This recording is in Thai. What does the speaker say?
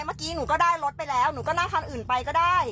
เมื่อกี้หนูก็ได้รถไปแล้วหนูก็นั่งคันอื่นไปก็ได้